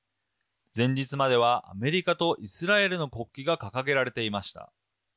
前日まではアメリカとイスラエルの国旗が掲げられていました。